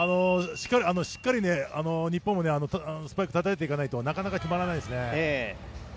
しっかり日本もスパイクたたいていかないとなかなか決まらないですね。